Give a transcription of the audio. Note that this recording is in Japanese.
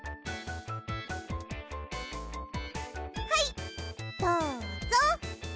はいどうぞ！